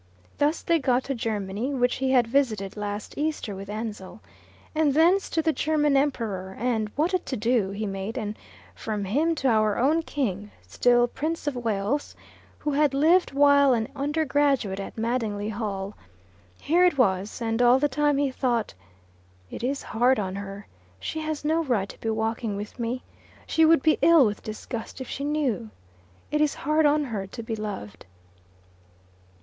Thus they got to Germany, which he had visited last Easter with Ansell; and thence to the German Emperor, and what a to do he made; and from him to our own king (still Prince of Wales), who had lived while an undergraduate at Madingley Hall. Here it was. And all the time he thought, "It is hard on her. She has no right to be walking with me. She would be ill with disgust if she knew. It is hard on her to be loved."